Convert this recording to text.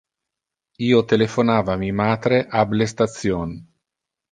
Io telephonava mi matre ab le station.